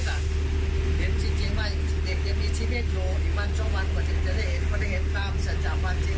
ก็วดผู้ชายพระเจ้าของพระจิวรมันหวายในวันนี้